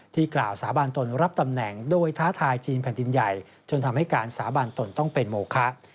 กล่าวสาบานตนรับตำแหน่งโดยท้าทายจีนแผ่นดินใหญ่จนทำให้การสาบานตนต้องเป็นโมคะ